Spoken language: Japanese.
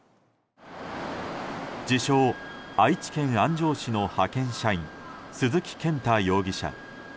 自称、愛知県安城市の派遣社員鈴木健太容疑者。